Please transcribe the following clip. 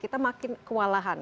kita makin kewalahan